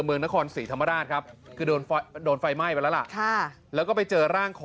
เมืองนครศรีธรรมนาตรครับ